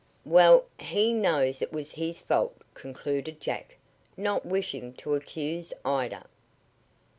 "Well, he knows it was his own fault," concluded Jack, not wishing to accuse Ida.